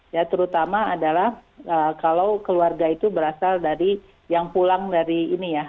ya terutama adalah kalau keluarga itu berasal dari yang pulang dari ini ya